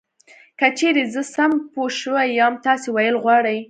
که چېرې زه سم پوه شوی یم تاسې ویل غواړی .